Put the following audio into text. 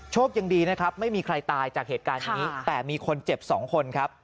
ยังดีนะครับไม่มีใครตายจากเหตุการณ์นี้แต่มีคนเจ็บ๒คนครับ